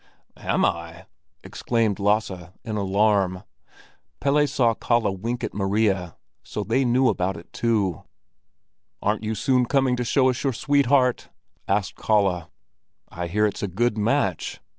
"Am I?" exclaimed Lasse, in alarm. Pelle saw Kalle wink at Maria, so they knew about it too. "Aren't you soon coming to show us your sweetheart?" asked Kalle. "I hear it's a good match."